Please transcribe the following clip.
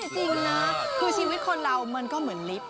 จริงนะคือชีวิตคนเรามันก็เหมือนลิฟต์